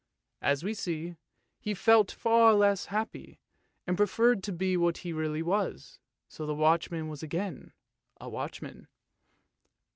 As we see, he felt far less happy, and pre ferred to be what he really was, so the watchman was again a watchman.